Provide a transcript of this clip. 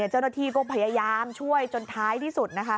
เจ้าหน้าที่ก็พยายามช่วยจนท้ายที่สุดนะคะ